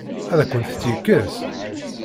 Ad akent-tt-yekkes?